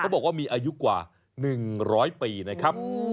เขาบอกว่ามีอายุกว่าหนึ่งร้อยปีนะครับอู้